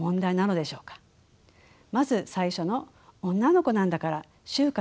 まず最初の「女の子なんだから就活